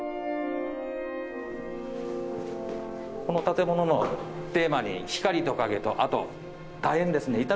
この建物のテーマに光と影とあとだ円ですね。